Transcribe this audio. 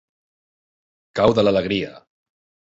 Cau de l'alegria.